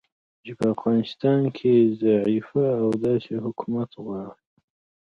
چې په افغانستان کې ضعیفه او داسې حکومت غواړي